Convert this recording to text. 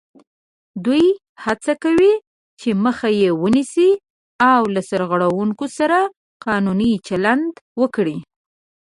دوی هڅه کوي چې مخه یې ونیسي او له سرغړوونکو سره قانوني چلند وکړي